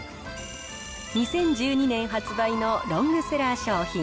２０１２年発売のロングセラー商品。